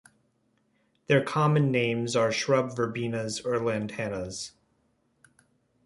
Their common names are shrub verbenas or lantanas.